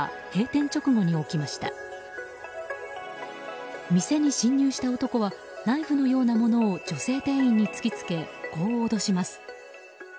店に侵入した男はナイフのようなものを女性店員に突き付けこう脅します。